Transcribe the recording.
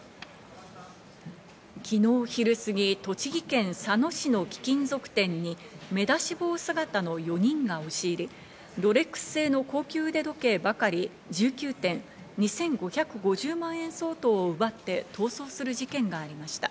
昨日昼過ぎ、栃木県佐野市の貴金属店に目出し帽姿の４人が押し入り、ロレックス製の高級腕時計ばかり１９点、２５５０万円相当を奪って逃走する事件がありました。